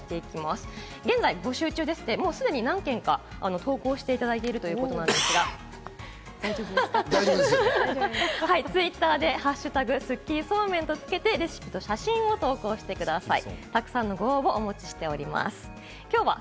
すでに何件か投稿していただいているということですが、Ｔｗｉｔｔｅｒで「＃スッキリそうめん」とつけて、レシピと写真を投稿してください。